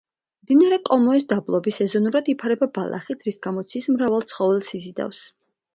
მდინარე კომოეს დაბლობი სეზონურად იფარება ბალახით, რის გამოც ის მრავალ ცხოველს იზიდავს.